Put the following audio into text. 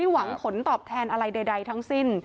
หวังผลตอบแทนอะไรใดทั้งสิ้น